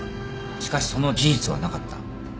しかしその事実はなかった。